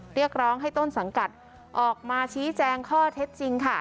เรียกร้องให้ต้นสังกัดออกมาชี้แจงข้อเท็จจริงค่ะ